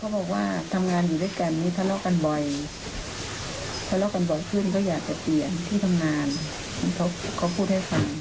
บอกว่าทำงานอยู่ด้วยกันนี่ทะเลาะกันบ่อยทะเลาะกันบ่อยขึ้นเขาอยากจะเปลี่ยนที่ทำงานเขาพูดให้ฟัง